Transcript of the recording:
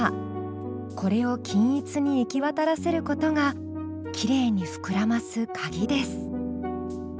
これを均一に行き渡らせることがきれいに膨らますカギです。